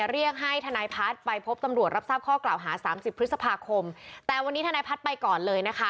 เรียกการให้ท้นายพัฒน์ทนายพัฒนายก่อนเลย